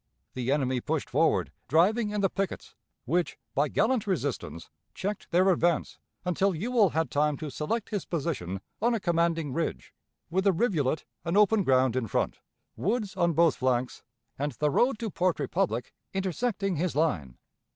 The enemy pushed forward, driving in the pickets, which, by gallant resistance, checked their advance until Ewell had time to select his position on a commanding ridge, with a rivulet and open ground in front, woods on both flanks, and the road to Port Republic intersecting his line.